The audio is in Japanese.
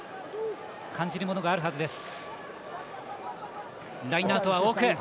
感じるものがあるはずです。